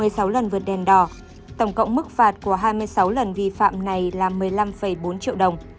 một mươi sáu lần vượt đèn đỏ tổng cộng mức phạt của hai mươi sáu lần vi phạm này là một mươi năm bốn triệu đồng